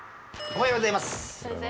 おはようございます。